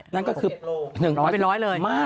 ยังอยู่น่ะ